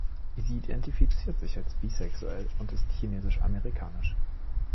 Sie identifiziert sich als bisexuell und ist chinesisch-amerikanisch.